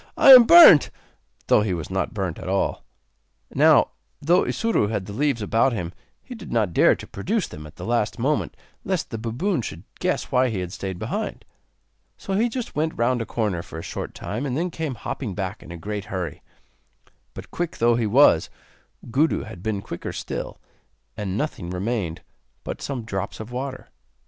I am burnt!' though he was not burnt at all. Now, though Isuro had the leaves about him, he did not dare to produce them at the last moment lest the baboon should guess why he had stayed behind. So he just went round a corner for a short time, and then came hopping back in a great hurry. But, quick though he was, Gudu had been quicker still, and nothing remained but some drops of water.